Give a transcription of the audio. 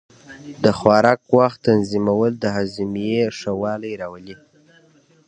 د خوراک وخت تنظیمول د هاضمې ښه والی راولي.